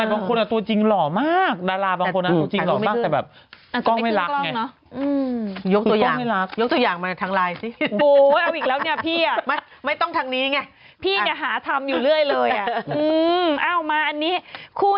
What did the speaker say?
แต่บางคนตัวจริงหล่อมากดาราบางคนนั้นตัวจริงหล่อมาก